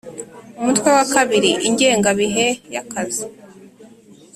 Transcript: umutwe wa kabiri ingengabihe y akazi